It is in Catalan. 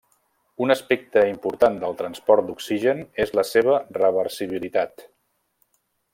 Un aspecte important del transport d'oxigen és la seva reversibilitat.